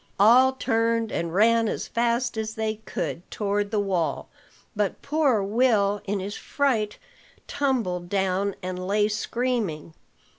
All turned, and ran as fast as they could toward the wall; but poor Will in his fright tumbled down, and lay screaming.